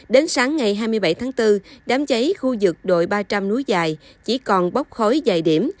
đến sáng ngày hai mươi bảy tháng bốn đám cháy khu vực đội ba trăm linh núi dài chỉ còn bốc khối dài điểm